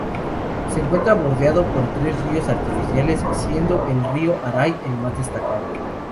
Se encuentra bordeado por tres ríos artificiales, siendo el río Arai el más destacado.